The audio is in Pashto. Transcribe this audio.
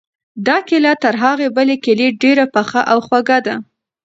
دا کیله تر هغې بلې کیلې ډېره پخه او خوږه ده.